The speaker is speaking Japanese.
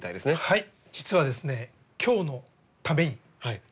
はい。